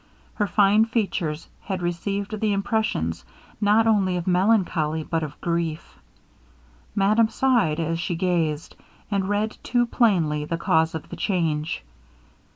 Her fine features had received the impressions not only of melancholy, but of grief. Madame sighed as she gazed, and read too plainly the cause of the change.